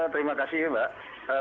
terima kasih mbak